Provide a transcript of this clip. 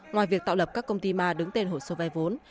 ngoài việc tạo lập các công ty ma đứng tên hồ sơ vay vốn